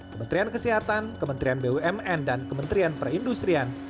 kementerian kesehatan kementerian bumn dan kementerian perindustrian